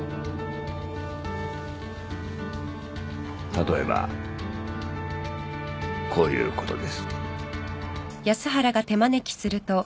例えばこういうことです。